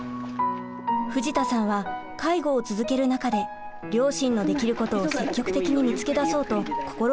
藤田さんは介護を続ける中で両親のできることを積極的に見つけ出そうと心がけました。